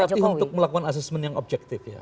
kami dilatih untuk melakukan assessment yang objektif ya